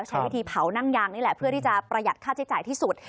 ใช้วิธีเผานั่งยางนี่แหละเพื่อที่จะประหยัดค่าใช้จ่ายที่สุด